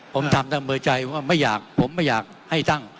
ผมทำแต่เบอร์ใจว่าไม่อยากผมไม่อยากให้ตั้ง